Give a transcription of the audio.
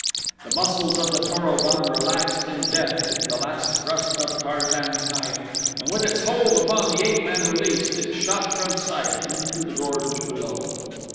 The muscles of the Tor o don relaxed in death with the last thrust of Tarzan's knife and with its hold upon the ape man released it shot from sight into the gorge below.